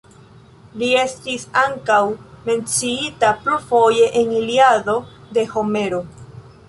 Li estis ankaŭ menciita plurfoje en "Iliado", de Homero.